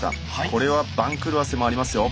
これは番狂わせもありますよ。